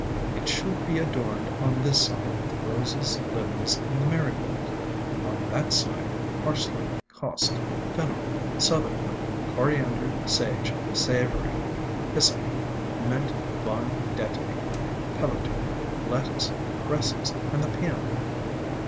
"It should be adorned on this side with roses, lilies, and the marigold; on that side with parsley, cost, fennel, southernwood, coriander, sage, savery, hyssop, mint, vine, dettany, pellitory, lettuce, cresses, and the peony.